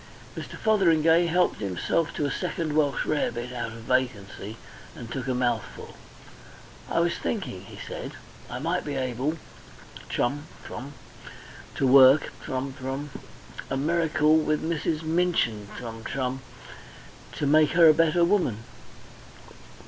Mr. Fotheringay helped himself to a second Welsh rarebit out of vacancy, and took a mouthful. "I was thinking," he said, "I might be able (chum, chum) to work (chum, chum) a miracle with Mrs. Minchin (chum, chum) make her a better woman."